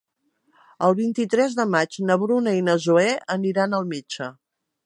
El vint-i-tres de maig na Bruna i na Zoè aniran al metge.